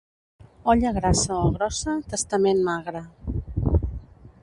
Olla grassa o grossa, testament magre.